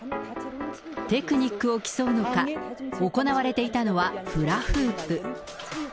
テクニックを競うのか、行われていたのはフラフープ。